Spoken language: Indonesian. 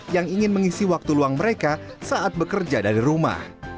yang ingin mengisi waktu luang mereka saat bekerja dari rumah